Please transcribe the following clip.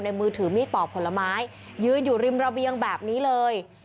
มือถือมีดปอกผลไม้ยืนอยู่ริมระเบียงแบบนี้เลย